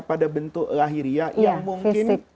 pada bentuk lahiriah yang mungkin